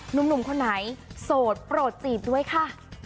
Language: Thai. หนุ่มคนไหนโสดโปรดจีบด้วยค่ะ